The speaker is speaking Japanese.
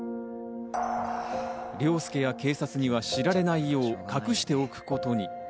凌介や警察には知られないよう隠しておくことに。